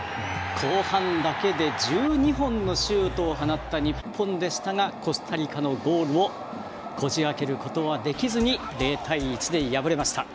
後半だけで１２本のシュートを放った日本でしたがコスタリカのゴールをこじ開けることができずに０対１で敗れました。